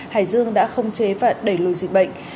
hải dương đã không chế và đẩy lùi dịch bệnh